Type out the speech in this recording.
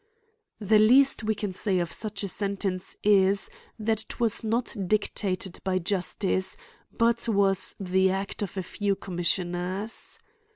The least we can say of such a sentence is, that it was not dictated by justice, but was the act of a few commissioners.